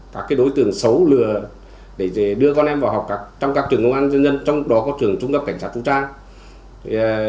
các đối tượng xấu lừa để đưa con em vào học trong các trường công an dân dân trong đó có trường trung cấp cảnh sát vũ trang